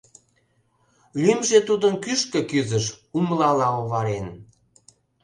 Лӱмжӧ тудын кӱшкӧ кӱзыш, умлала оварен.